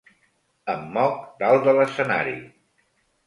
Em moc dalt de l'escenari.